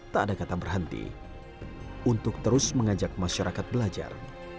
tak ada kata berhenti untuk terus mengajak masyarakat belajar